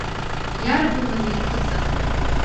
Иарбану ани ақыҭа?